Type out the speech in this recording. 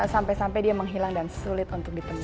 sampai sampai dia menghilang dan sulit untuk ditentukan